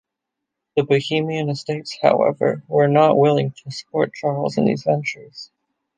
The Bohemian estates, however, were not willing to support Charles in these ventures.